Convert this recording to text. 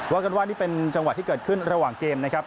ว่ากันว่านี่เป็นจังหวะที่เกิดขึ้นระหว่างเกมนะครับ